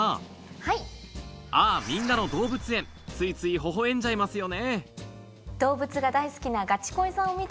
みんなの動物園』ついついほほ笑んじゃいますよね